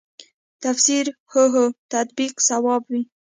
تفسیر هو هو تطبیق صواب وي.